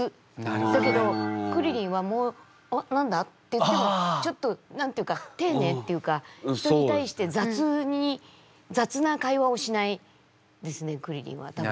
だけどクリリンは「おっ何だ？」って言ってもちょっと何て言うか丁寧っていうか人に対して雑な会話をしないですねクリリンは多分。